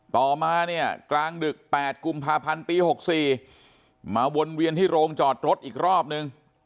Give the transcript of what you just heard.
ต่อมาเนี่ยกลางดึก๘กุมภาพันธ์ปี๖๔มาวนเวียนที่โรงจอดรถอีกรอบนึง